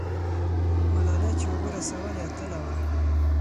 ملالۍ چې اوبه رسولې، اتله وه.